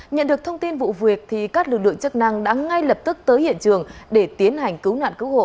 nhận được thông tin vụ việc các lực lượng chức năng đã ngay lập tức tới hiện trường để tiến hành cứu nạn cứu hộ